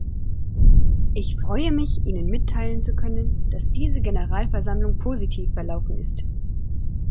Ich freue mich, Ihnen mitteilen zu können, dass diese Generalversammlung positiv verlaufen ist.